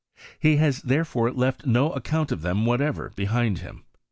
He has therefore left no account of them whatever behind him.